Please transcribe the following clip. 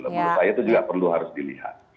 menurut saya itu juga perlu harus dilihat